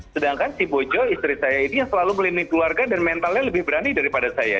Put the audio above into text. sedangkan si bojo istri saya ini yang selalu melindungi keluarga dan mentalnya lebih berani daripada saya